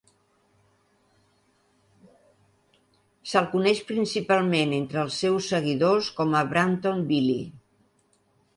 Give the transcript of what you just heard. Se'l coneix, principalment entre els seus seguidors, com a "Braptom Billy".